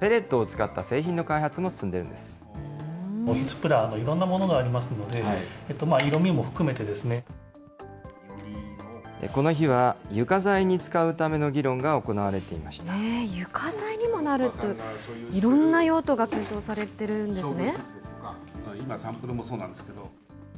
ペレットを使った製品の開発も進オフィスプラ、いろんなものがありますので、この日は、床材に使うための床材にもなるっていう、いろんな用途が検討されているんですね。